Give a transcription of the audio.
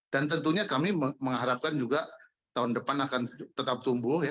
dan tentunya kami mengharapkan juga tahun depan akan tetap tumbuh